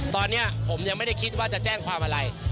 ตอนนี้ผมยังไม่ได้คิดว่าจะแจ้งความอะไร